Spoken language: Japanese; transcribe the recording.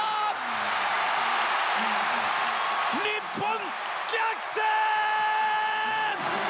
日本逆転！